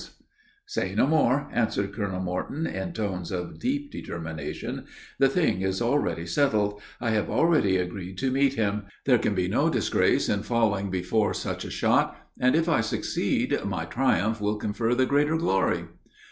"Say no more," answered Colonel Morton, in tones of deep determination; "the thing is already settled. I have already agreed to meet him. There can be no disgrace in falling before such a shot, and, if I succeed, my triumph will confer the greater glory!"